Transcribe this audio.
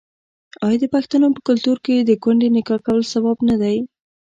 آیا د پښتنو په کلتور کې د کونډې نکاح کول ثواب نه دی؟